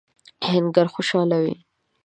آهنګر خوشاله و.